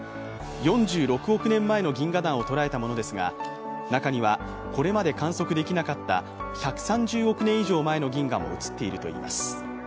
４６億年前の銀河団を捉えたものですが、中には、これまで観測できなかった１３０億年以上前の銀河も写っているといいます。